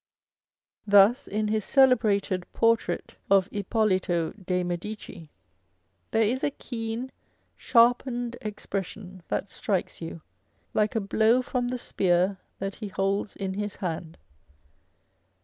Thus in his celebrated* portrait of Hippolito de Medici, there is a keen, sharpened expression that strikes you, like a blow from the spear that he holds in his hand.